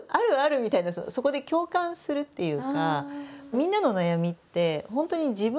みたいなそこで共感するっていうか。